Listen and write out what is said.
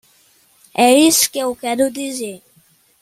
É isso que eu quero dizer?